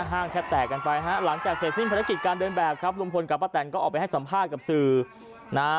ห้างแทบแตกกันไปฮะหลังจากเสร็จสิ้นภารกิจการเดินแบบครับลุงพลกับป้าแตนก็ออกไปให้สัมภาษณ์กับสื่อนะฮะ